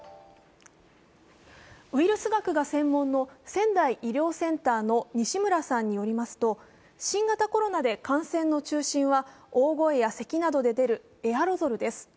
ウイルス学が専門の仙台医療センターの西村さんによりますと、新型コロナで感染の中心は大声や咳などで出るエアロゾルです。